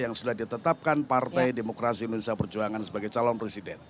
yang sudah ditetapkan partai demokrasi indonesia perjuangan sebagai calon presiden